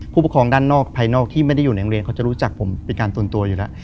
ผู้ปกครองด้านนอกภายนอกที่ไม่ได้อยู่ในโรงเรียนเขาจะรู้จักผมเป็นการตุนตัวอยู่แล้ว